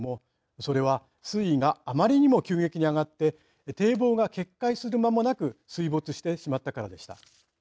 それは水位があまりにも急激に上がって堤防は決壊する間もなく水没してしまったからでした。